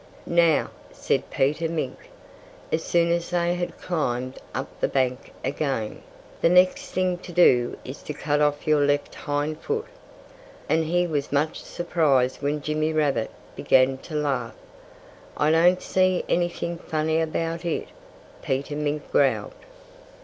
"Now," said Peter Mink, as soon as they had climbed up the bank again, "the next thing to do is to cut off your left hind foot." And he was much surprised when Jimmy Rabbit began to laugh. "I don't see anything funny about it," Peter Mink growled.